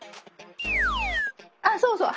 あっそうそう。